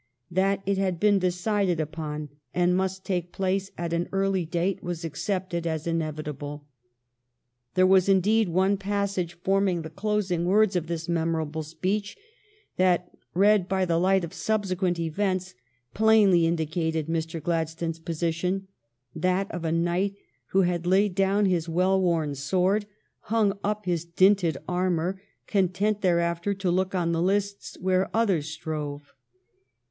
That it had been decided upon and must take 386 THE STORY OF GLADSTONE'S LIFE place at an early date was accepted as inevitable. There was, indeed, one passage forming the clos ing words of this memorable speech that, read by the light of subsequent events, plainly indicated Mr. Gladstone's position — that of a knight who had laid down his well worn sword, hung up his dinted armor, content thereafter to look on the lists where others strove.